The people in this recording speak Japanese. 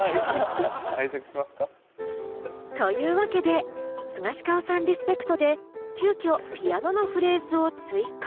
拝借しますか。というわけでスガシカオさんリスペクトで急きょピアノのフレーズを追加。